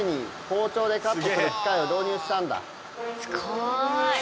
すごい。